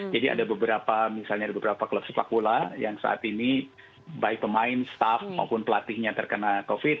jadi ada beberapa misalnya ada beberapa klub sepak bola yang saat ini baik pemain staff maupun pelatihnya terkena covid